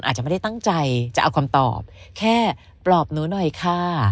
อาจจะไม่ได้ตั้งใจจะเอาคำตอบแค่ปลอบหนูหน่อยค่ะ